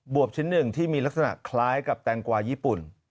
วบชิ้นหนึ่งที่มีลักษณะคล้ายกับแตงกวาญี่ปุ่น